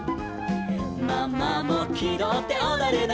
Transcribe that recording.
「ママもきどっておどるの」